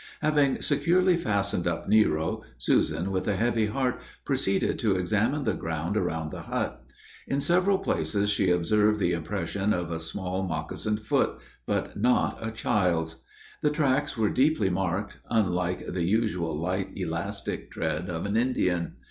Having securely fastened up Nero, Susan, with a heavy heart, proceeded to examine the ground around the hut. In several places she observed the impression of a small moccasined foot; but not a child's. The tracks were deeply marked, unlike the usual light, elastic tread of an Indian.